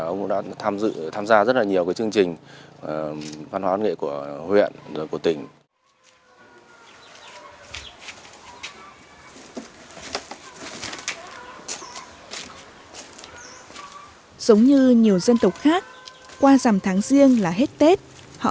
ông đã tham gia rất nhiều chương trình văn hóa văn nghệ của huyện và tỉnh